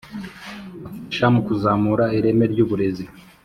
afasha mu kuzamura ireme ry’uburezi.